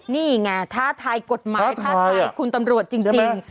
นี่ไงท้าทายกฎหมายท้าทายคุณตำรวจจริง